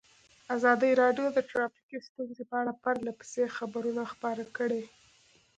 ازادي راډیو د ټرافیکي ستونزې په اړه پرله پسې خبرونه خپاره کړي.